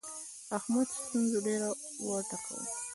احمد ستونزو ډېر وټکاوو.